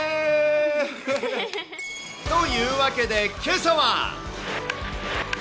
というわけで、けさは。